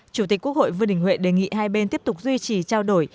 chủ tịch quốc hội vương đình huệ đề nghị hai bên tiếp tục duy trì trao đổi